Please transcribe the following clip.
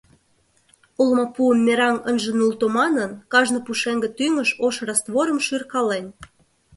Олмапуым мераҥ ынже нулто манын, кажне пушеҥге тӱҥыш ош растворым шӱркален.